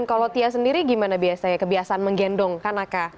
kalau tia sendiri gimana biasanya kebiasaan menggendong kanaka